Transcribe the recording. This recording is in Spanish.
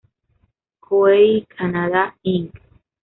Koei Canada, Inc.